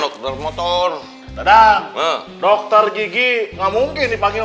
dokter gigi gak mungkin dipanggil